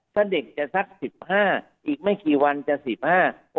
ถ้าเด็กจะสัก๑๕อีกไม่กี่วันจะ๑๕